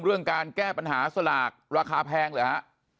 เรื่องการแก้ปัญหาสลากราคาแพงเหรอฮะ